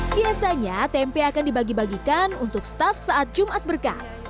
biasanya tempe akan dibagi bagikan untuk staff saat jumat berkah